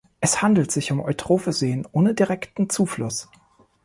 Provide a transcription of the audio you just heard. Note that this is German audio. Es handelt sich um eutrophe Seen ohne direkten Zufluss.